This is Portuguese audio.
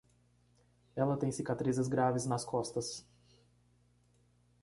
Ela tem cicatrizes graves nas costas